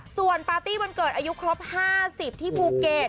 ส่วนปาร์ตี้วันเกิดอายุครบ๕๐ที่ภูเก็ต